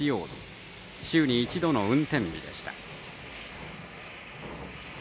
週に一度の運転日でした。